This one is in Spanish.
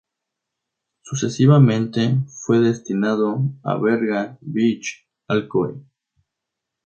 Sucesivamente fue destinado a Berga, Vich y Alcoy.